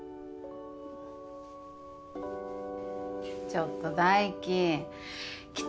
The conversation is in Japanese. ちょっと大貴。